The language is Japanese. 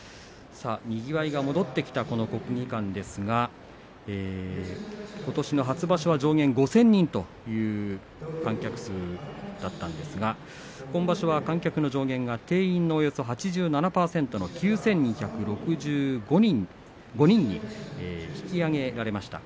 にぎわいが戻ってきたこの国技館ですがことしの初場所は上限５０００人という観客数だったんですが今場所は観客の上限は定員のおよそ８７％の９２６５人に引き上げられました。